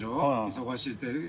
忙しいって。